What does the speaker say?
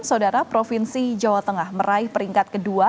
saudara provinsi jawa tengah meraih peringkat kedua